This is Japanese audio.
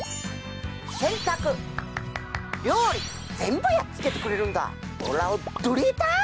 洗濯料理全部やっつけてくれるんだオラ驚えた！